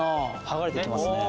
剥がれてきますね。